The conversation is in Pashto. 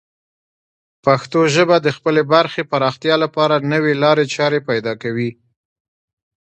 پښتو ژبه د خپلې برخې پراختیا لپاره نوې لارې چارې پیدا کوي.